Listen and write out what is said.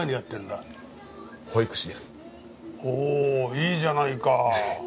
いいじゃないか。